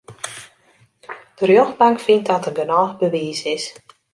De rjochtbank fynt dat der genôch bewiis is.